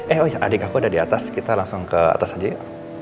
eh adik aku ada di atas kita langsung ke atas aja ya